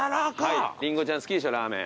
りんごちゃん好きでしょラーメン。